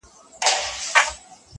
اول به کښېنوو د علم بې شماره وني,